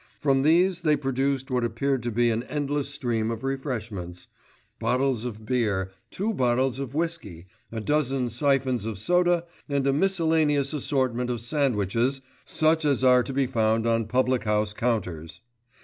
From these they produced what appeared to be an endless stream of refreshments: bottles of beer, two bottles of whisky, a dozen syphons of soda and a miscellaneous assortment of sandwiches such as are to be found on public house counters.